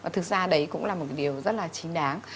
thực ra đấy cũng là một cái điều rất là chính đáng